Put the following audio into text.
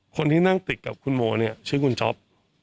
คนที่นั่งติดกับคุณโมเนี่ยชื่อคุณจ๊อป